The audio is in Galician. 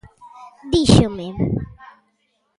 Díxome: